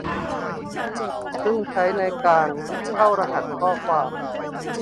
ซึ่งใช้ในการเข้ารหัสข้อความ